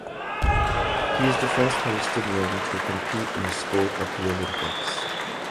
He is the first Palestinian to compete in the sport at the Olympics.